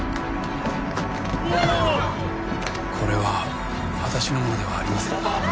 これは私のものではありません。